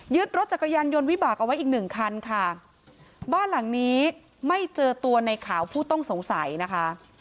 รถจักรยานยนต์วิบากเอาไว้อีกหนึ่งคันค่ะบ้านหลังนี้ไม่เจอตัวในขาวผู้ต้องสงสัยนะคะ